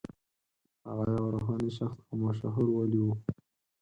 هغه یو روحاني شخص او مشهور ولي و.